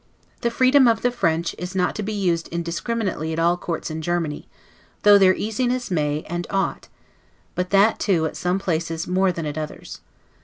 The freedom of the French is not to be used indiscriminately at all the courts in Germany, though their easiness may, and ought; but that, too, at some places more than others.